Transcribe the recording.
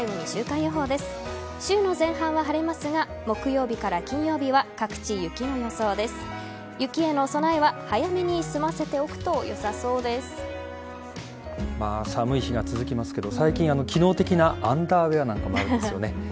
週の前半は晴れますが木曜日から金曜日は各地雪の予想です。